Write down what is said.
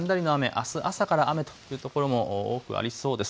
あす朝から雨というところも多くなりそうです。